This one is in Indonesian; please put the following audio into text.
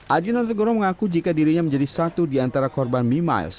aji notengoro mengaku jika dirinya menjadi satu di antara korban mi miles